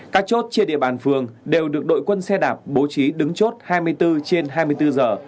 các chốt trên địa bàn phường đều được đội quân xe đạp bố trí đứng chốt hai mươi bốn trên hai mươi bốn giờ